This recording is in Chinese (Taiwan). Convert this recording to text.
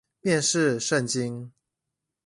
面試聖經